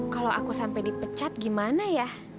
kalau aku sampai dipecat gimana ya